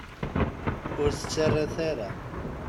Ur tettret ara.